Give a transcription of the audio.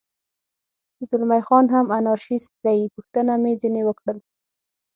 زلمی خان هم انارشیست دی، پوښتنه مې ځنې وکړل.